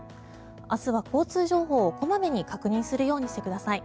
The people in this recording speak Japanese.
明日は交通情報を小まめに確認するようにしてください。